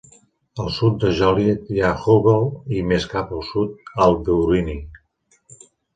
Al sud de Joliet hi ha Hubble i més cap al sud Al-Biruni.